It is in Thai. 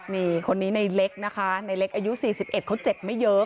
นี่คนนี้ในเล็กนะคะในเล็กอายุ๔๑เขาเจ็บไม่เยอะ